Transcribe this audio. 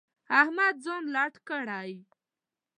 احمد ځان لټ کړی.